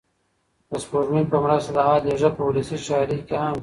د سپوږمۍ په مرسته د حال لېږل په ولسي شاعرۍ کې عام دي.